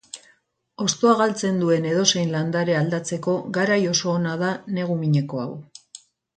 Hostoa galtzen duen edozein landare aldatzeko garai oso ona da negu mineko hau.